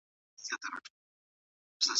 په امریکا کې کوم ډول لابراتوارونه سته؟